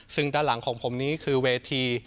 ซึ่งด้านหลังของผมนี้คือเวที